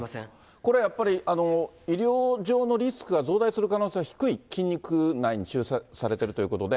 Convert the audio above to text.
これやっぱり、医療上のリスクが増大する可能性は低い、筋肉内に注射されてるということで。